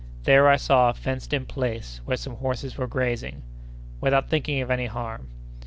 There I saw a fenced in place, where some horses were grazing, without thinking of any harm.